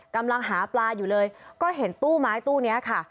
กำลังหาปลาอยู่เลยก็เห็นตู้ไม้ตู้นี้ค่ะ